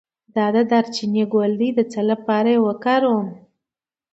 د دارچینی ګل د څه لپاره وکاروم؟